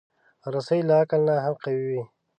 رسۍ له عقل نه هم قوي وي.